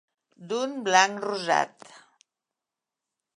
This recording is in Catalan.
d'un blanc rosat